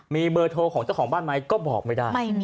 มีเบอร์โทรของเจ้าของบ้านไหมก็บอกไม่ได้